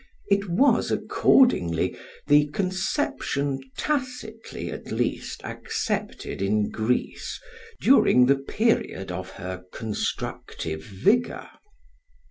It was, accordingly, the conception tacitly, at least, accepted in Greece, during the period of her constructive vigour.